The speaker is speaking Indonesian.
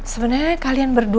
sebenernya kalian berdua